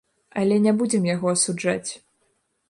Але не будзем яго асуджаць.